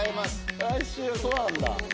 来週そうなんだ。